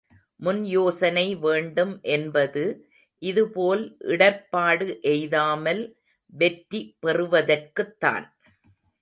முன்யோசனை வேண்டும் என்பது இதுபோல் இடர்ப்பாடு எய்தாமல் வெற்றி பெறுவதற்குத்தான்.